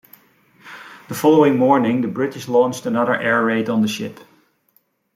The following morning, the British launched another air raid on the ship.